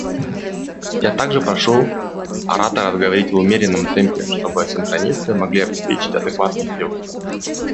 Я также прошу ораторов говорить в умеренном темпе, чтобы синхронисты могли обеспечить адекватный перевод.